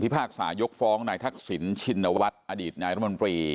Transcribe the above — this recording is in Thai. พากษายกฟ้องนายทักษิณชินวัฒน์อดีตนายรมนตรี